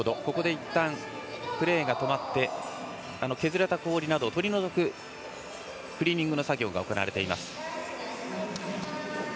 ここでいったんプレーが止まって削れた氷などを取り除くクリーニングの作業が行われています。